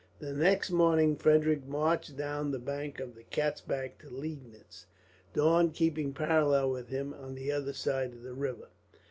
The next morning Frederick marched down the bank of the Katzbach to Liegnitz, Daun keeping parallel with him on the other side of the river.